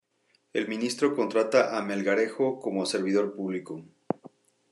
El ministro contrata a Melgarejo como servidor público.